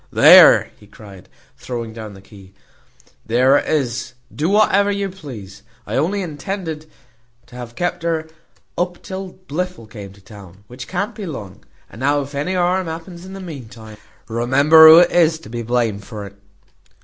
"There," he cried, throwing down the key, "there it is, do whatever you please. I intended only to have kept her up till Blifil came to town, which can't be long; and now if any harm happens in the mean time, remember who is to be blamed for it."